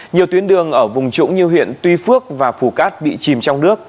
nhiều tuyến đường ở vùng trũng như huyện tuy phước và phù cát bị chìm trong nước